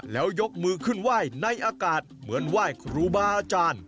แล้วยกมือขึ้นไหว้ในอากาศเหมือนไหว้ครูบาอาจารย์